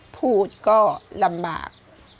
พูดก็ลำบาก